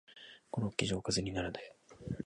コロッケじゃおかずにならない